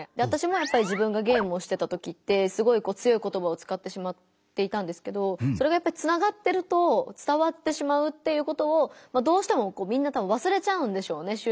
わたしもやっぱり自分がゲームをしてた時ってすごいこう強い言葉をつかってしまっていたんですけどそれがやっぱりつながってると伝わってしまうっていうことをどうしてもこうみんなたぶんわすれちゃうんでしょうね